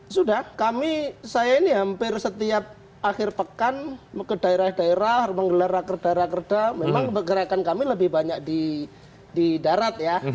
sudah kami saya ini hampir setiap akhir pekan ke daerah daerah menggelar rakerda rakerda memang bergerakan kami lebih banyak di darat ya